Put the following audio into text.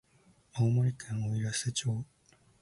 青森県おいらせ町